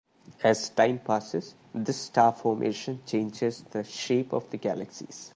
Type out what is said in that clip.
As time passes, this star formation changes the shape of the galaxies.